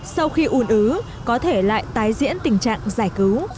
sau khi ủn ứ có thể lại tái diễn tình trạng giải cứu